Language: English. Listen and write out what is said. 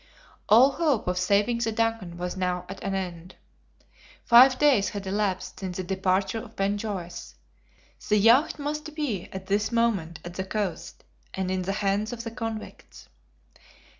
All hope of saving the DUNCAN was now at an end. Five days had elapsed since the departure of Ben Joyce. The yacht must be at this moment at the coast, and in the hands of the convicts.